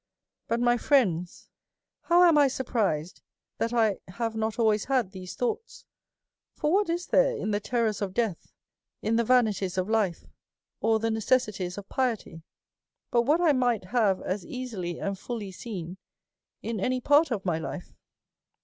" But, my friends, how am I surprised that I have not always had these thoughts ? For what is there in the terrors of death, in the vanities of life, or the ne cessities of piety, but what I might have as easily and fully seen in any part of my life